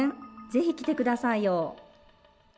ぜひ来てくださいよ。